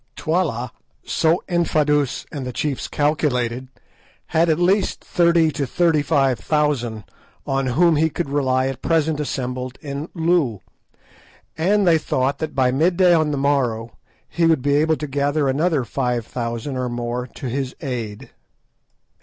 Twala, so Infadoos and the chiefs calculated, had at least thirty to thirty five thousand on whom he could rely at present assembled in Loo, and they thought that by midday on the morrow he would be able to gather another five thousand or more to his aid.